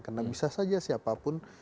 karena bisa saja siapapun